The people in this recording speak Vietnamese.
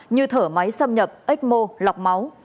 như thở máy xâm nhập ếch mô lọc máu